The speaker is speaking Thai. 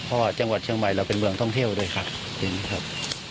เพราะจังหวัดเชียงใหม่เราเป็นเมืองท่องเที่ยวด้วยครับ